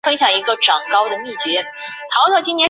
母郑氏。